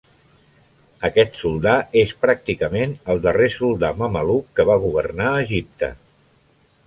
Aquest soldà és pràcticament el darrer soldà mameluc que va governar Egipte.